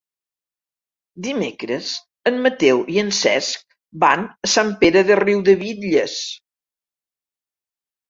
Dimecres en Mateu i en Cesc van a Sant Pere de Riudebitlles.